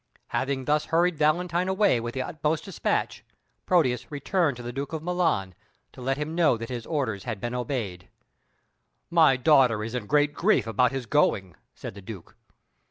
Having thus hurried Valentine away with the utmost despatch, Proteus returned to the Duke of Milan, to let him know that his orders had been obeyed. "My daughter is in great grief about his going," said the Duke.